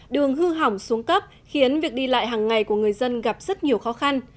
đường hư hỏng xuống cấp khiến việc đi lại hàng ngày của người dân gặp rất nhiều khó khăn